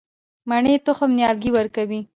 د مڼې تخم نیالګی ورکوي؟